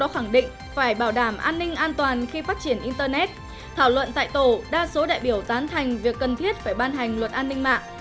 phát triển internet thảo luận tại tổ đa số đại biểu tán thành việc cần thiết phải ban hành luật an ninh mạng